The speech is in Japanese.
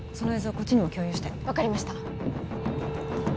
こっちにも共有して分かりました